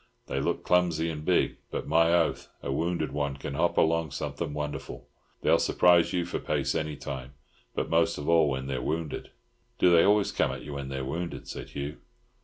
They look clumsy and big; but, my oath, a wounded one can hop along something wonderful! They'll surprise you for pace any time; but most of all when they're wounded." "Do they always come at you when they're wounded?" said Hugh.